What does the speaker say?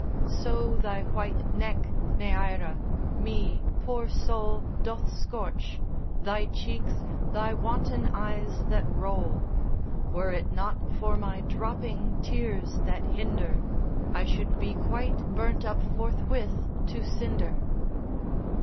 So thy white neck, Neaera, me poor soul Doth scorch, thy cheeks, thy wanton eyes that roll: Were it not for my dropping tears that hinder, I should be quite burnt up forthwith to cinder.